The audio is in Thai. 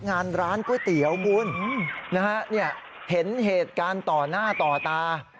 นะฮะนี่เห็นเหตุการต่อหน้าต่อตา